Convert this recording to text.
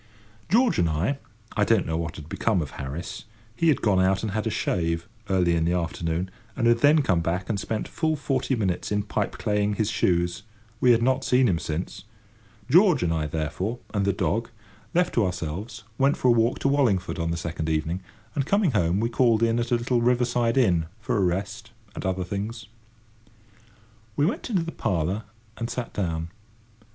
George and I—I don't know what had become of Harris; he had gone out and had a shave, early in the afternoon, and had then come back and spent full forty minutes in pipeclaying his shoes, we had not seen him since—George and I, therefore, and the dog, left to ourselves, went for a walk to Wallingford on the second evening, and, coming home, we called in at a little river side inn, for a rest, and other things. We went into the parlour and sat down.